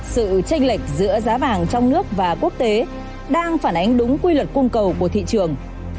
sự tranh lệch giữa giá vàng trong nước và quốc tế đang phản ánh đúng quy luật cung cầu của thị trường